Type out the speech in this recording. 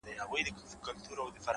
وخت د هر څه ارزښت ښيي’